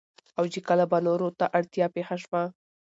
او چې کله به نورو ته اړتيا پېښه شوه